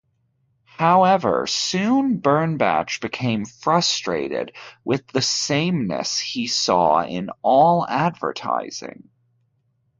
However, soon Bernbach became frustrated with the sameness he saw in all advertising.